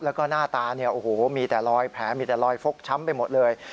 แล้วก็หน้าตาเนี่ยโอ้โหมีแต่รอยแผลมีแต่รอยฟกช้ำไปหมดเลย